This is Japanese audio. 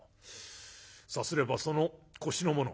さすればその腰のもの